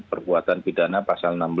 perbuatan pidana pasal enam belas